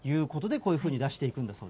こういうふうに出していくんです。